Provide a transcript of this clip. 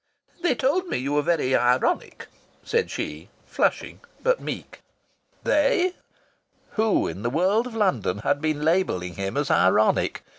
"They told me you were very ironic," said she, flushing but meek. "They!" Who? Who in the world of London had been labelling him as ironic?